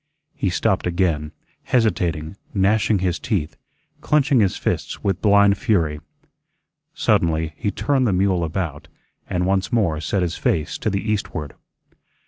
He stopped again, hesitating, gnashing his teeth, clinching his fists with blind fury. Suddenly he turned the mule about, and once more set his face to the eastward.